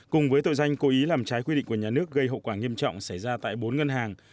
cùng với tội danh cố ý làm trái quy định của nhà nước gây hậu quả nghiêm trọng xảy ra tại bốn ngân hàng